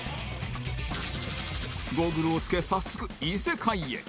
ゴーグルを着け早速異世界へ